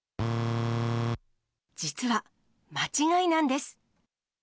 実は、間違いなんです。